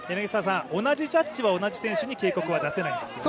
同じジャッジは同じ選手に警告は出せないんですよね。